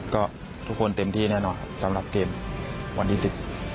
ก็ทุกคนเต็มที่แน่นอนครับสำหรับเกมวันที่สิบ